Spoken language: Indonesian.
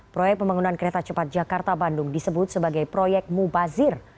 proyek pembangunan kereta cepat jakarta bandung disebut sebagai proyek mubazir